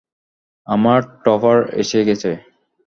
আমার টপার এসে গেছে।